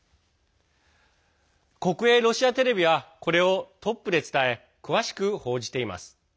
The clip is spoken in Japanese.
国営ロシアテレビはこれをトップで伝え詳しく報じています。